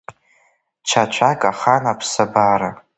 Ҽа цәак ахан аԥсабара…